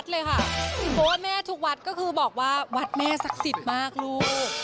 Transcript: เพราะว่าแม่ทุกวัดก็คือบอกว่าวัดแม่ศักดิ์สิทธิ์มากลูก